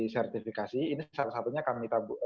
sertifikasi ini salah satunya kami